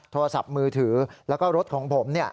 โทรศัพท์มือถือแล้วก็รถของผม